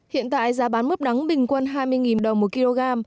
hiện tại giá bán mướp đắng bình quân hai mươi đồng một kg